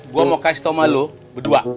gue mau kasih tau sama lo berdua